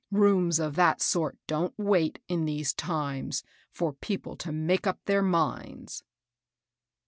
" Rooms of that sort don't wait, in these times, for people to make up their minds."